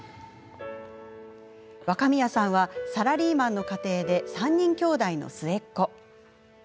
若宮さんはサラリーマンの家庭で３人兄妹の末っ子。